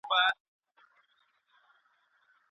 ولې ملي سوداګر ساختماني مواد له پاکستان څخه واردوي؟